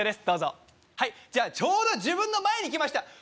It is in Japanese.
どうぞはいちょうど自分の前に来ました